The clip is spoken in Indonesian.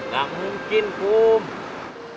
gak mungkin pum